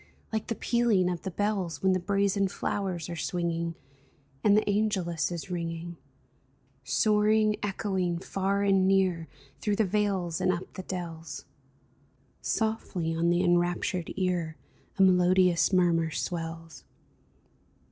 Like the pealing of the bells When the brazen flowers are swinging And the angelus is ringing, Soaring, echoing, far and near. Through the vales and up the dells — Softly on the enraptured ear A melodious murmur swells